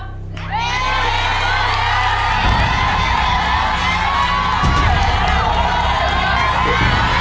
ทุกวันที่สุดท้าย